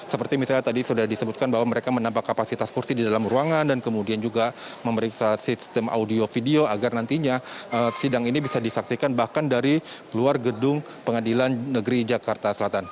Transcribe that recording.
seperti misalnya tadi sudah disebutkan bahwa mereka menambah kapasitas kursi di dalam ruangan dan kemudian juga memeriksa sistem audio video agar nantinya sidang ini bisa disaksikan bahkan dari luar gedung pengadilan negeri jakarta selatan